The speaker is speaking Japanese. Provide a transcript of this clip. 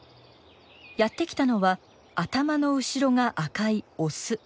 やって来たのは頭の後ろが赤いオス。